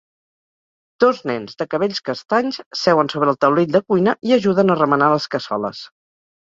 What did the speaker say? Dos nens de cabells castanys seuen sobre el taulell de cuina i ajuden a remenar les cassoles.